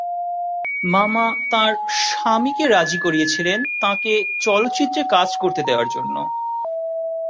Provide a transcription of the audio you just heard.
মামা তাঁর স্বামীকে রাজি করিয়েছিলেন, তাঁকে চলচ্চিত্রে কাজ করতে দেওয়ার জন্য।